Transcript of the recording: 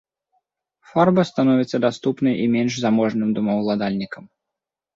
Фарба становіцца даступнай і менш заможным домаўладальнікам.